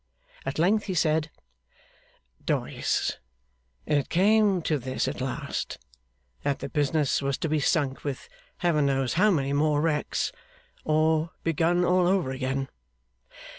At length he said: 'Doyce, it came to this at last that the business was to be sunk with Heaven knows how many more wrecks, or begun all over again?